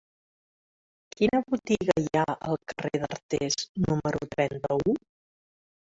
Quina botiga hi ha al carrer d'Artés número trenta-u?